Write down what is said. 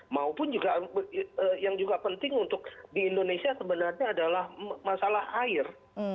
maupun juga yang juga penting untuk di indonesia sebenarnya adalah masalah air